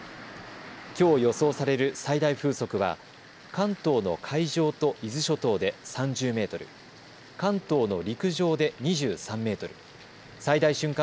きょう予想される最大風速は関東の海上と伊豆諸島で３０メートル、関東の陸上で２３メートル、最大瞬間